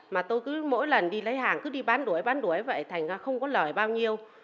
mà tôi cứ mỗi lần đi lấy hàng cứ đi bán đuổi bán đuổi vậy thành ra không có lời bao nhiêu